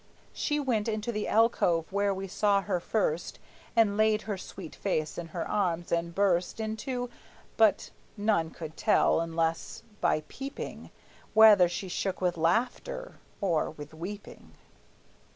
She went Into the alcove where we saw her first And laid her sweet face in her arms, and burst Into but none could tell, unless by peeping, Whether she shook with laughter or with weeping.